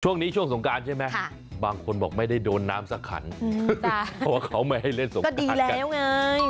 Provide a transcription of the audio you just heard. ช่วงนี้ช่วงสงการใช่ไหมบางคนบอกไม่ได้โดนน้ำสักขันเพราะว่าเขาไม่ให้เล่นสงการกันแล้วไง